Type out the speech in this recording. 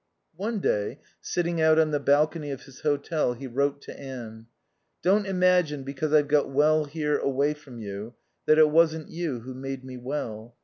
One day, sitting out on the balcony of his hotel, he wrote to Anne. "Don't imagine because I've got well here away from you that it wasn't you who made me well.